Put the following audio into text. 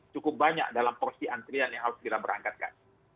cukup banyak dalam porsi antrian yang harus segera berangkatkan